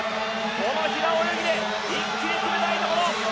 この平泳ぎで一気に詰めたいところ。